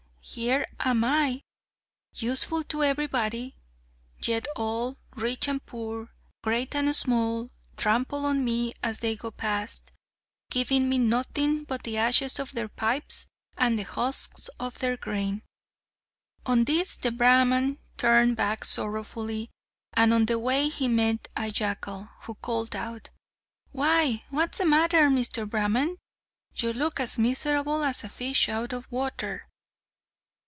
Here am I, useful to everybody, yet all, rich and poor, great and small, trample on me as they go past, giving me nothing but the ashes of their pipes and the husks of their grain!" On this the Brahman turned back sorrowfully, and on the way he met a jackal, who called out, "Why, what's the matter, Mr. Brahman? You look as miserable as a fish out of water!"